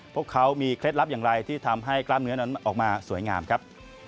พวกเขามีเคล็ดลับอย่างไรที่ทำให้กล้ามเนื้อนั้นออกมาสวยงามครับ